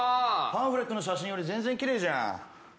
パンフレットの写真より全然きれいじゃん。